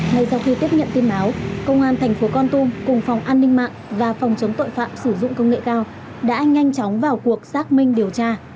ngay sau khi tiếp nhận tin báo công an thành phố con tum cùng phòng an ninh mạng và phòng chống tội phạm sử dụng công nghệ cao đã nhanh chóng vào cuộc xác minh điều tra